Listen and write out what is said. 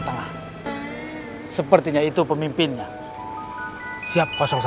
yang pemimpinnya siap thoughts